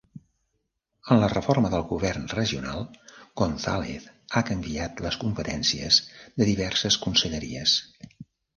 En la reforma del Govern regional, González ha canviat les competències de diverses conselleries.